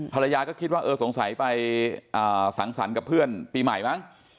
ภรรยาก็คิดว่าเออสงสัยไปสังสรรค์กับเพื่อนปีใหม่มั้ง